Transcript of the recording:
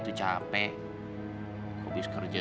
tapi aku bisa